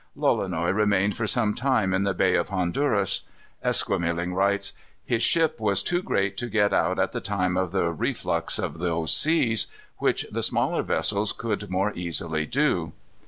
Lolonois remained for some time in the Bay of Honduras. Esquemeling writes: "His ship was too great to get out at the time of the reflux of those seas, which the smaller vessels could more easily do."